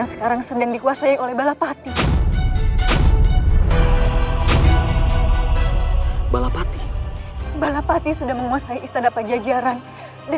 sampai jumpa di video selanjutnya